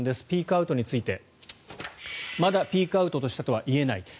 ピークアウトについてまだピークアウトしたとは言えない。